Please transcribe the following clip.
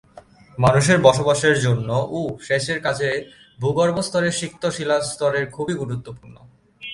মানুষের বসবাসের জন্য ও সেচের কাজে ভূগর্ভস্থ সিক্ত শিলাস্তর খুবই গুরুত্বপূর্ণ।